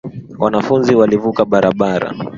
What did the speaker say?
Wanafunzi walivuka barabara